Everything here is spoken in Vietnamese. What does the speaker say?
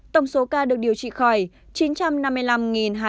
tổng số ca được điều trị khỏi bệnh